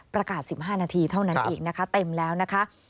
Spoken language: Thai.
๑๕นาทีเท่านั้นอีกนะคะเต็มแล้วนะคะ